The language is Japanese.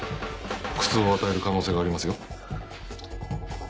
苦痛を与える可能性がありますよ？